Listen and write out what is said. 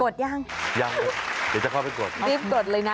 ยังยังเดี๋ยวจะเข้าไปกดรีบกดเลยนะ